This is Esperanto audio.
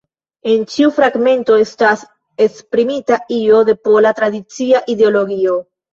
En ĉiu fragmento estas esprimita io de pola tradicia ideologio.